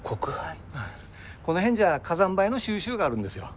この辺じゃ火山灰の収集があるんですよ。